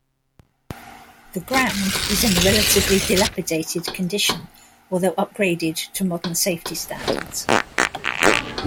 The ground is in a relatively dilapidated condition, although upgraded to modern safety standards.